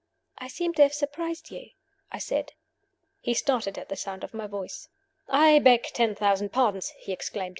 "I seem to have surprised you?" I said. He started at the sound of my voice. "I beg ten thousand pardons!" he exclaimed.